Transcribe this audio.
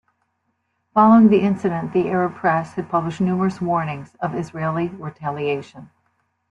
Following the incident, the Arab press had published numerous warnings of Israeli retaliation.